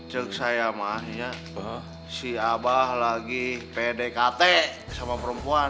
cek saya mah si abah lagi pdkt sama perempuan